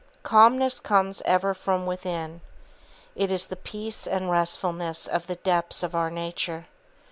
Calmness comes ever from within. It is the peace and restfulness of the depths of our nature.